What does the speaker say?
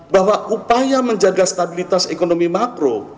bahwa upaya menjaga stabilitas ekonomi makro